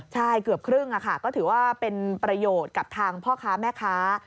ใช่เกือบครึ่งก็ถือว่าเป็นประโยชน์กับทางพ่อค้าแม่ค้า